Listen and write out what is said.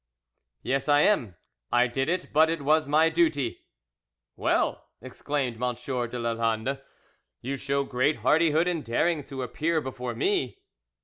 "Yes, I am. I did it, but it was my duty." "Well," exclaimed M. de Lalande, "you show great hardihood in daring to appear before me."